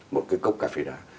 một cái cốc cà phê đá